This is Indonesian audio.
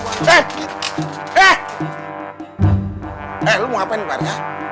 eh lu mau ngapain pak ari